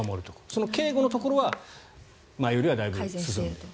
その警護のところは前よりはだいぶ進んでいる。